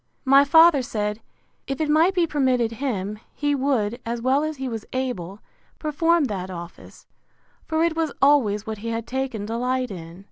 My father said, If it might be permitted him, he would, as well as he was able, perform that office; for it was always what he had taken delight in.